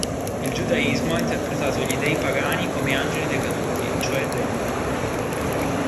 Il giudaismo ha interpretato gli dei pagani come angeli decaduti, cioè demoni.